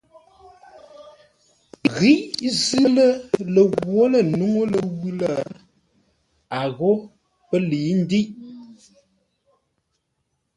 Ghíʼ zʉ́ lə̂ lə ghwǒ lə̂ nuŋú ləwʉ̂ lə̂, a ghó pə́ lə̌i ndə́iʼ.